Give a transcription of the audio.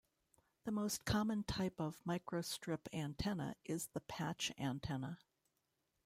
The most common type of microstrip antenna is the patch antenna.